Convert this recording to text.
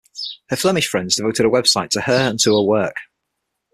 Her Flemish friends devoted a website to her and to her work.